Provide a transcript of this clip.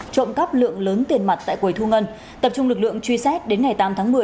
trộm cắp lượng lớn tiền mặt tại quầy thu ngân tập trung lực lượng truy xét đến ngày tám tháng một mươi